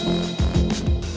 kalau aku tulis